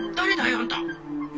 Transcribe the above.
あんた！